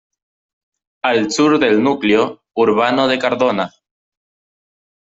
Al sur del núcleo urbano de Cardona.